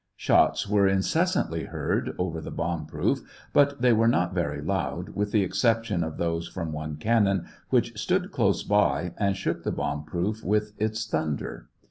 Shots were incessantly heard, over the bomb proof, but they were not very loud, with the excep tion of those from one cannon, which stood close by and shook the bomb proof with its thunder.